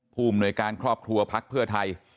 ภูมิหน่วยการครอบครัวพักเพื่อไทย